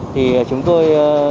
thì chúng tôi